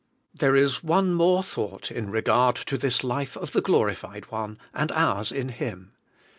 There is one more thought in regard to this life of the Glorified One, and ours in Him.